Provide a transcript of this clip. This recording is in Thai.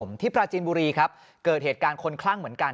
ที่ปราจีนบุรีครับเกิดเหตุการณ์คนคลั่งเหมือนกัน